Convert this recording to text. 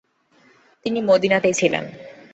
তিনি মদিনাতেই ছিলেন।